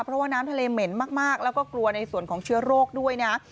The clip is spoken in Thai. เพราะว่าน้ำทะเลเหม็นมากแล้วก็กลัวในส่วนของเชื้อโรคด้วยนะ